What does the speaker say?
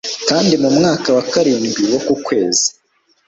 kandi mu mwaka wa karindwi wu ko kwezi